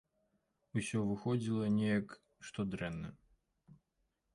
Усё выходзіла неяк, што дрэнна.